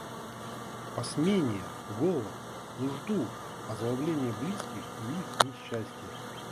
Посмения, голод, нужду, озлобление близких и их несчастье.